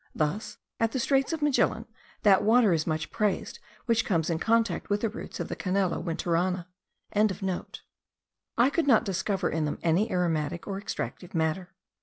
Thus, at the Straits of Magellan, that water is much praised which comes in contact with the roots of the Canella winterana.) I could not discover in them any aromatic or extractive matter.